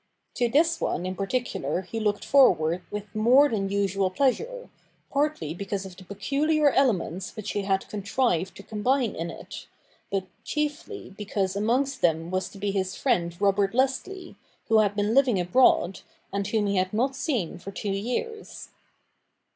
To this one in particular he looked forward with more than usual pleasure, partly because of the peculiar elements which he had contrived to combine in it, but chiefly because amongst them was to be his friend Robert Leslie, who had been living abroad, and whom he had not seen for two years.